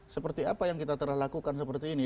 seperti apa yang kita telah lakukan seperti ini